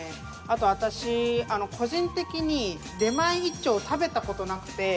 あと私個人的に出前一丁食べた事なくて。